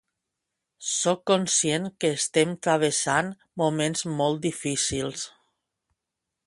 Sóc conscient que estem travessant moments molt difícils.